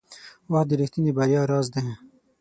• وخت د رښتیني بریا راز دی.